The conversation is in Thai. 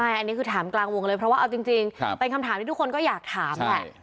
อันนี้คือถามกลางวงเลยเพราะว่าเอาจริงเป็นคำถามที่ทุกคนก็อยากถามแหละ